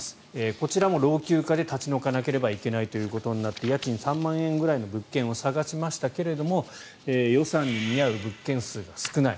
こちらも老朽化で立ち退かなければいけないということになって家賃３万円ぐらいの物件を探しましたが予算に見合う物件数が少ない。